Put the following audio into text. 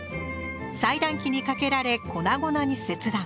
裁断機にかけられ粉々に切断。